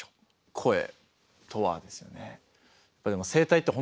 声とはですよね。